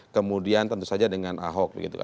kemudian tentu saja dengan ahok begitu